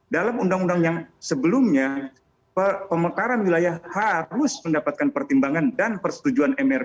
dalam undang undang yang sebelumnya pemekaran wilayah harus mendapatkan pertimbangan dan persetujuan mrp